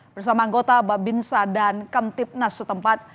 bersama anggota babinsa dan kempit nas setempat